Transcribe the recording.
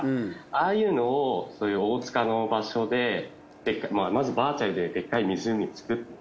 ああいうのをそういう大塚の場所でまずバーチャルででっかい湖作って。